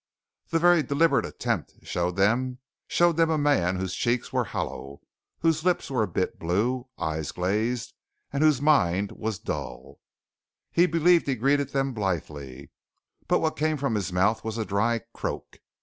The very deliberate attempt showed them showed them a man whose cheeks were hollow, whose lips were a bit blue, eyes glazed and whose mind was dull. He believed that he greeted them blithely, but what came from his mouth was a dry croak.